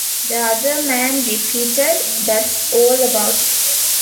The other man repeated, "That's all about it."